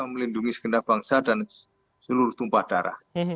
melindungi segenap bangsa dan seluruh tumpah darah